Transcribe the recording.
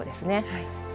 はい。